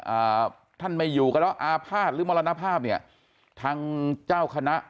าวท่านไม่อยู่ซะพาทซ์ลิมอนภาพเนี้ยทางเจ้าคณะ